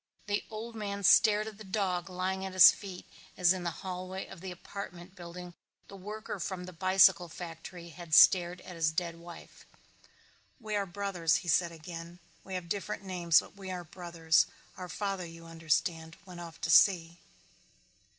The old man stared at the dog lying at his feet as in the hallway of the apartment building the worker from the bicycle factory had stared at his dead wife. "We are brothers," he said again. "We have different names but we are brothers. Our father you understand went off to sea."